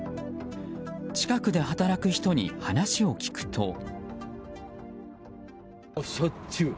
近くで働く人に話を聞くと。